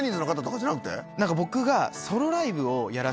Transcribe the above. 何か僕が。